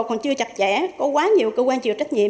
còn chưa chặt chẽ có quá nhiều cơ quan chịu trách nhiệm